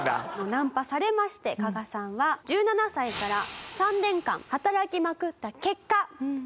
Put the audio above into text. ナンパされまして加賀さんは１７歳から３年間働きまくった結果。